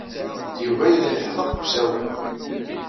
Yuba yella yeḥdeq deg usawal.